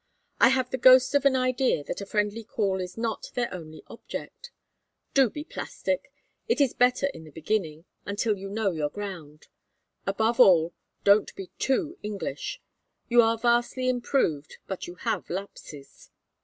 I have the ghost of an idea that a friendly call is not their only object. Do be plastic it is better in the beginning until you know your ground. Above all, don't be too English. You are vastly improved, but you have lapses.